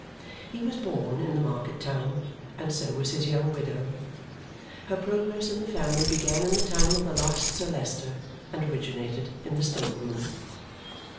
He was born in the market town, and so was his young widow. Her progress in the family began in the time of the last Sir Leicester and originated in the still room.